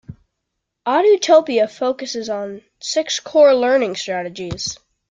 Edutopia focuses on six core learning strategies.